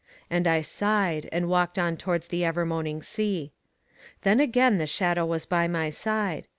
and I sighed, and walked on towards the ever moaning sea. Then again the shadow was by my side.